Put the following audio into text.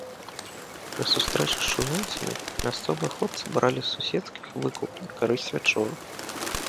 Пры сустрэчы з чужынцамі мясцовыя хлопцы бралі з суседскіх выкуп на карысць вячорак.